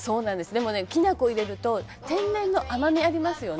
でもねきな粉を入れると天然の甘みありますよね」